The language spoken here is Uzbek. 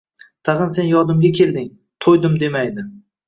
Tag’in sen yodimga kelding, to’ydim demaydi